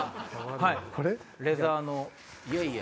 これ？